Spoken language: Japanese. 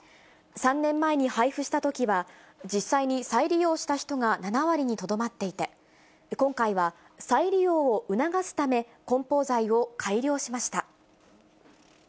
３年前に配布したときは、実際に再利用した人が７割にとどまっていて、今回は再利用を促すため、こん包材を改良しました。